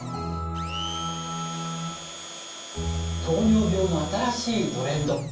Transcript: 糖尿病の新しいトレンド。